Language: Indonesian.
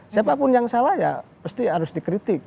siapapun yang salah ya pasti harus dikritik